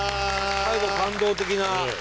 最後感動的な。